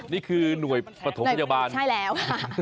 นี่คือหน่วยปฐมพยาบาลใช่แล้วค่ะ